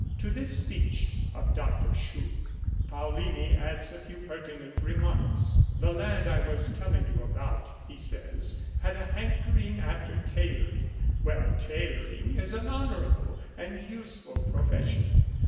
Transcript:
" To this speech of Dr. Schupp, Paullini adds a few pertinent remarks. " The lad I was telling you about," he says, "had a hankering after tailoring. Well, tailoring is an honourable and useful profession.